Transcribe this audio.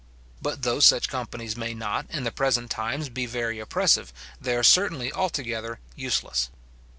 But though such companies may not, in the present times, be very oppressive, they are certainly altogether useless.